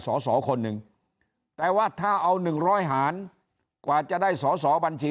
สอสอคนหนึ่งแต่ว่าถ้าเอา๑๐๐หารกว่าจะได้สอสอบัญชี